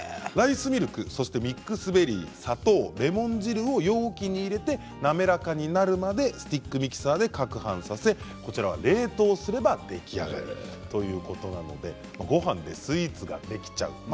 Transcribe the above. ライスミルク、ミックスベリー砂糖、レモン汁を容器に入れて滑らかになるまでスティックミキサーでかくはんさせこちらは冷凍すれば出来上がりということなのでごはんでスイーツができちゃう。